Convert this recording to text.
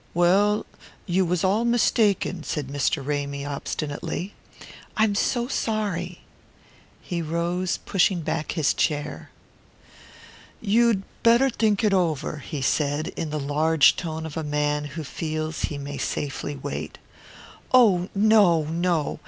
"Well, you was all mistaken," said Mr. Ramy obstinately. "I'm so sorry." He rose, pushing back his chair. "You'd better think it over," he said, in the large tone of a man who feels he may safely wait. "Oh, no, no.